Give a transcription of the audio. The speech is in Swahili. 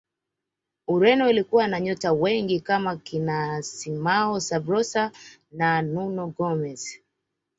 ureno ilikuwa na nyota wengi kama kina simao sabrosa na nuno gomez